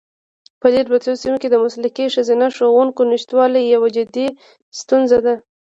په لیرې پرتو سیمو کې د مسلکي ښځینه ښوونکو نشتوالی یوه جدي ستونزه ده.